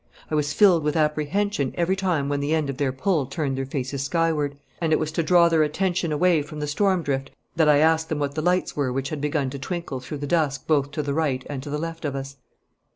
I was filled with apprehension every time when the end of their pull turned their faces skyward, and it was to draw their attention away from the storm drift that I asked them what the lights were which had begun to twinkle through the dusk both to the right and to the left of us.